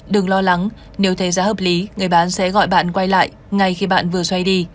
đừng lo lắng nếu thấy giá hợp lý người bán sẽ gọi bạn quay lại ngay khi bạn vừa xoay đi